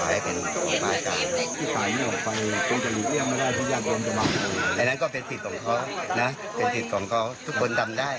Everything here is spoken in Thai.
อันนั้นก็เป็นสิทธิ์ของเขานะเป็นสิทธิ์ของเขาทุกคนทำได้